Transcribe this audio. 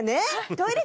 トイレ